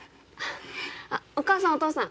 お母さんお父さん